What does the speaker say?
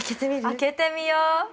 ◆開けてみよう。